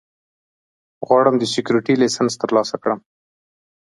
غواړم د سیکیورټي لېسنس ترلاسه کړم